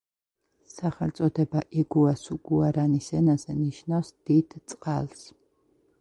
სახელწოდება იგუასუ გუარანის ენაზე ნიშნავს „დიდ წყალს“.